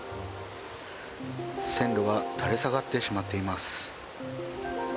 線路が垂れ下がってしまっています。